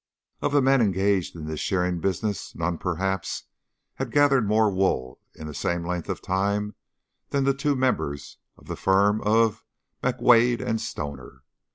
Of the men engaged in this shearing business, none, perhaps, had gathered more wool in the same length of time than the two members of the firm of McWade & Stoner.